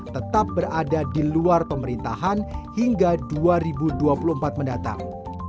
tetap berada di luar pemerintahan hingga dua ribu dua puluh empat mendatang